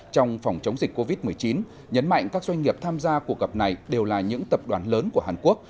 trong phòng chống dịch covid một mươi chín nhấn mạnh các doanh nghiệp tham gia cuộc gặp này đều là những tập đoàn lớn của hàn quốc